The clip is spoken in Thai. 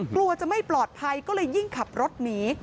กลัวจะไม่ปลอดภัยก็เลยยิ่งขับรถหนี